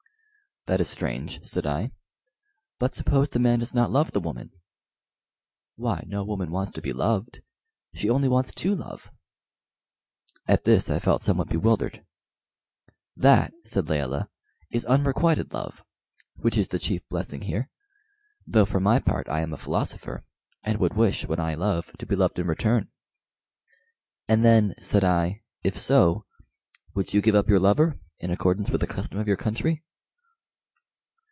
"That is strange," said I; "but suppose the man does not love the woman?" "Why, no woman wants to be loved; she only wants to love." At this I felt somewhat bewildered. "That," said Layelah, "is unrequited love, which is the chief blessing here, though for my part I am a philosopher, and would wish when I love to be loved in return." "And then," said I, "if so, would you give up your lover, in accordance with the custom of your country?"